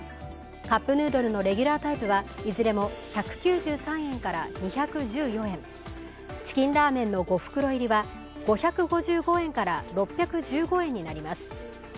カップヌードルのレギュラータイプは、いずれも１９３円から２１４円、チキンラーメンの５袋入りは５５５円から６１５円になります。